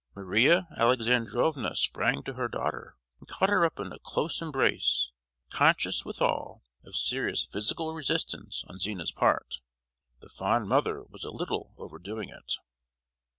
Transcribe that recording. Maria Alexandrovna sprang to her daughter, and caught her up in a close embrace, conscious, withal, of serious physical resistance on Zina's part. The fond mother was a little overdoing it.